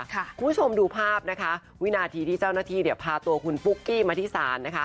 คุณผู้ชมดูภาพวินาทีที่เจ้าหน้าทีพาตัวคุณปุ๊กกี้มาที่ศาล